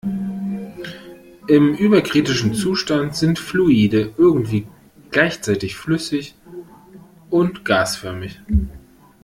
Im überkritischen Zustand sind Fluide irgendwie gleichzeitig flüssig und gasförmig.